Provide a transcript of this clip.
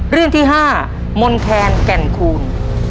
เรื่องที่๕มนแคนแก่นคูณ